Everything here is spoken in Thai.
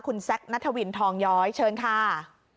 คุณแซคนัทวินทองย้อยเชิญค่ะ